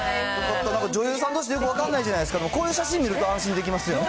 女優さんってよく分かんないじゃないですか、こういう写真見ると安心できますよね。